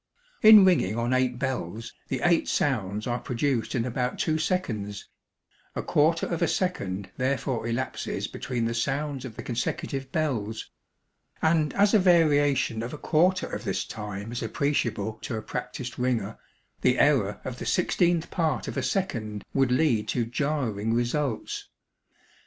In ringing on eight bells, the eight sounds are produced in about two seconds; a quarter of a second therefore elapses between the sounds of the consecutive bells; and as a variation of a quarter of this time is appreciable to a practised ringer, the error of the sixteenth part of a second would lead to jarring results.